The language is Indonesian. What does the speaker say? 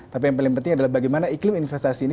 tapi yang paling penting adalah bagaimana iklim investasi ini